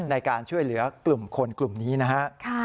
ในการช่วยเหลือกลุ่มคนกลุ่มนี้นะฮะ